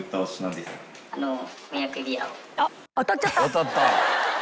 当たった。